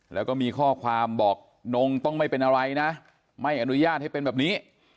แล้วก็มีข้อความบอกนงต้องไม่เป็นอะไรนะไม่อนุญาตให้เป็นแบบนี้